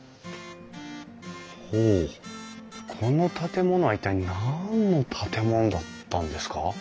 ほうこの建物は一体何の建物だったんですか？